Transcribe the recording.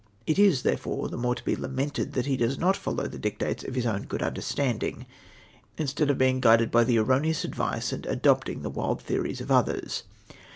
It is, therefore, the more to be lamented that he does not follow the dictates of his own good understanding, instead of being guided hy the erroneous advice, and adopting the wild theories of others.